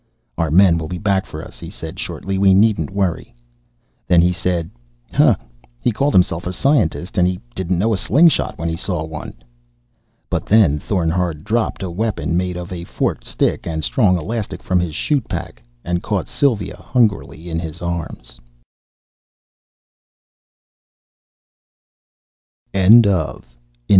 "Our men will be back for us," he said shortly. "We needn't worry." Then he said, "Huh! He called himself a scientist, and he didn't know a sling shot when he saw one!" But then Thorn Hard dropped a weapon made of a forked stick and strong elastic from his chute pack, and caught Sylva hungrily in his arms.